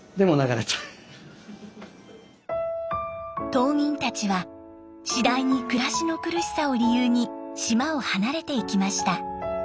島民たちは次第に暮らしの苦しさを理由に島を離れていきました。